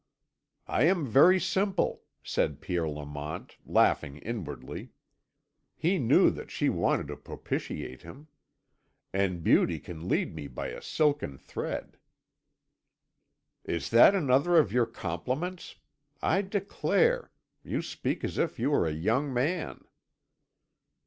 "I am very simple," said Pierre Lamont, laughing inwardly. He knew that she wanted to propitiate him; "and beauty can lead me by a silken thread." "Is that another of your compliments? I declare, you speak as if you were a young man."